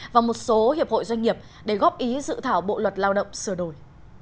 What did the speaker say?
và một số hiệp hội doanh nghiệp để góp ý dự thảo bộ luật lao động sửa đổi